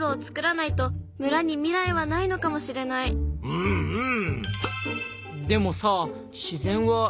うんうん！